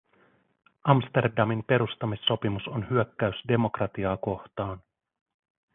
Amsterdamin perustamissopimus on hyökkäys demokratiaa kohtaan.